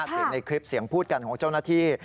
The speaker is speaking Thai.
เสียงในคลิปเสียงพูดกันของเจ้าหน้าที่